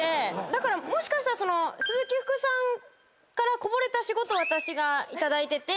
だからもしかしたら鈴木福さんからこぼれた仕事私が頂いてて。